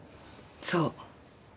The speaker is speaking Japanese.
そう。